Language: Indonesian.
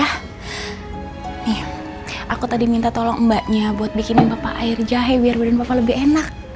eh aku tadi minta tolong mbaknya buat bikinin bapak air jahe biar badan bapak lebih enak